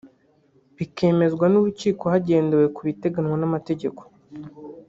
bikemezwa n’urukiko hagendewe ku biteganywa n’amategeko